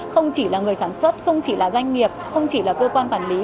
không chỉ là người sản xuất không chỉ là doanh nghiệp không chỉ là cơ quan quản lý